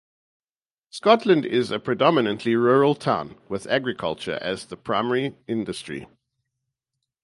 Scotland is a predominantly rural town, with agriculture as the principal industry.